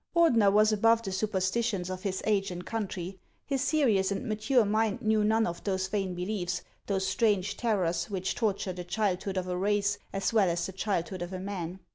Ordener was above the superstitions of his age and country. His serious and mature mind knew none of those vain beliefs, those strange terrors, which torture the childhood of a race as well as the childhood of a man.